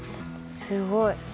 すごい。